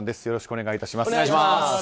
よろしくお願いします。